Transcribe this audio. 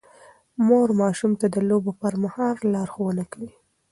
مور ماشوم ته د لوبو پر مهال لارښوونه کوي.